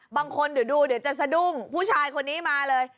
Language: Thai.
บางคนเดี๋ยวดูเดี๋ยวจะสะดุ้งผู้ชายคนนี้มาเลย